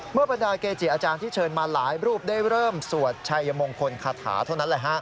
บรรดาเกจิอาจารย์ที่เชิญมาหลายรูปได้เริ่มสวดชัยมงคลคาถาเท่านั้นแหละฮะ